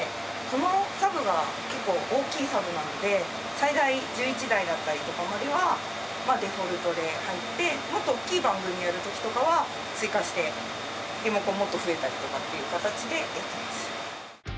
このサブが結構大きいサブなので最大１１台だったりとかまではデフォルトで入ってもっと大きい番組やる時とかは追加してリモコンもっと増えたりとかっていう形でやってます。